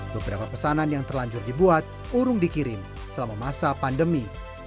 beberapa pesanan yang terlanjur dibuat urung dikirim selama masa pandemi